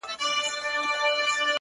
د خدای نور ته په سجده خريلی مخ دی!